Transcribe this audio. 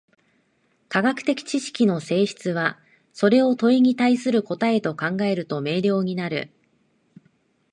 科学的知識の性質は、それを問に対する答と考えると明瞭になる。